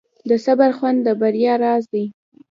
د صبر خوند د بریا راز دی.